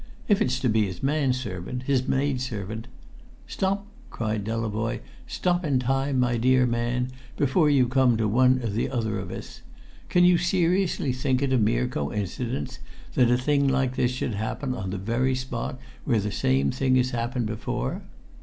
If it's to be his man servant, his maid servant " "Stop," cried Delavoye; "stop in time, my dear man, before you come to one or other of us! Can you seriously think it a mere coincidence that a thing like this should happen on the very spot where the very same thing has happened before?"